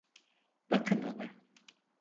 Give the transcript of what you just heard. Bakın ona.